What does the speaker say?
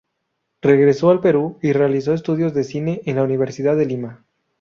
Regresó al Perú y realizó estudios de cine en la Universidad de Lima.